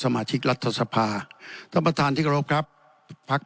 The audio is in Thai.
สมาชิกรัทศภารทธมประทานทรทรพรทครับภัก